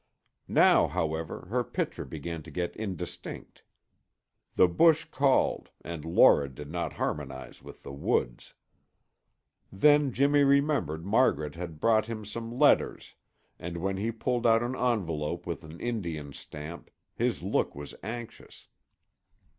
Now, however, her picture began to get indistinct. The bush called and Laura did not harmonize with the woods. Then Jimmy remembered Margaret had brought him some letters and when he pulled out an envelope with an Indian stamp, his look was anxious.